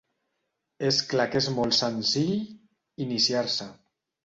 És clar que és molt senzill, iniciar-se.